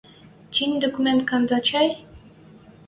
— Тинь документ канда, чӓй?